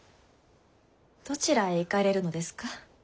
どちらへ行かれるのですか？